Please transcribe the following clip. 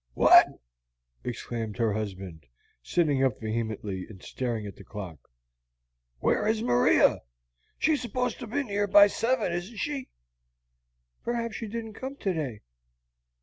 "What!" exclaimed her husband, sitting up vehemently and staring at the clock. "Where is Maria? She's supposed to be here by seven, isn't she?" "Perhaps she didn't come today."